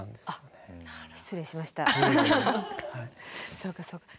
そうかそうか。